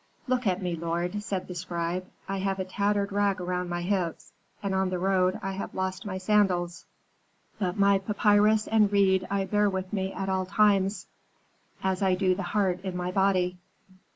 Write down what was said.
"'Look at me, lord,' said the scribe. 'I have a tattered rag around my hips, and on the road I have lost my sandals; but my papyrus and reed I bear with me at all times, as I do the heart in my body.